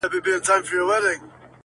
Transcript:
داسي زهر چي مرگى د هر حيوان دي٫